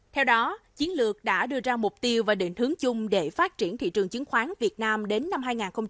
theo đó chiến lược đã đưa ra mục tiêu và định hướng chung để phát triển thị trường chứng khoán việt nam đến năm hai nghìn ba mươi